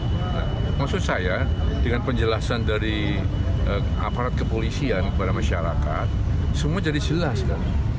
nah maksud saya dengan penjelasan dari aparat kepolisian kepada masyarakat semua jadi jelas kan